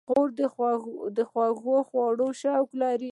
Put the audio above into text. خور د خوږو خوړلو شوق لري.